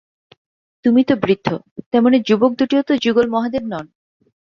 তুমি তো বৃদ্ধ, তেমনি যুবক দুটিও তো যুগল মহাদেব নন!